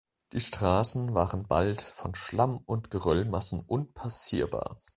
Die Straßen waren bald von Schlamm und Geröllmassen unpassierbar.